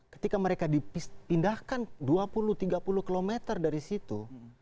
ketika mereka dipindahkan dua puluh tiga puluh km dari situ